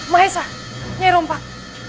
maesah nyai rompak